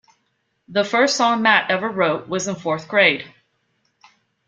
The first song Matt ever wrote was in fourth grade.